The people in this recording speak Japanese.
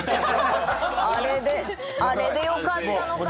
あれでよかったのかな？と思って。